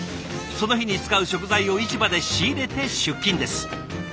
その日に使う食材を市場で仕入れて出勤です。